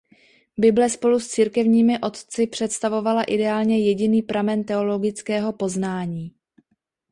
Bible spolu s církevními otci představovala ideálně jediný pramen teologického poznání.